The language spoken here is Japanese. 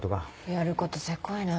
やることセコいな。